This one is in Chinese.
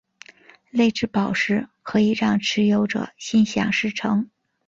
泪之宝石可以让持有者心想事成。